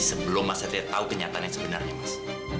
sebelum mas satria tahu kenyataan yang sebenarnya mas